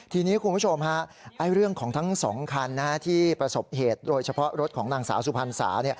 ทีนี้คุณผู้ชมฮะเรื่องของทั้ง๒คันที่ประสบเหตุโดยเฉพาะรถของนางสาวสุพรรณสา